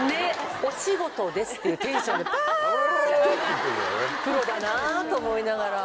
お仕事ですっていうテンションでパ！と思いながら。